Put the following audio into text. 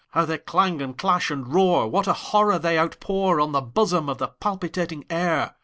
How they clang, and clash, and roar! What a horror they outpourOn the bosom of the palpitating air!